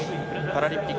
パラリンピック